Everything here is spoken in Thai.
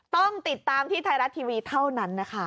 ต้องติดตามที่ไทยรัฐทีวีเท่านั้นนะคะ